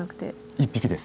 １匹です。